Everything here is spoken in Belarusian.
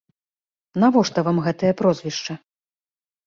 Навошта вам гэтае прозвішча?